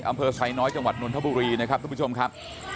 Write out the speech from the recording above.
อำเภอไซน้อยจังหวัดนนทบุรีนะครับทุกผู้ชมครับ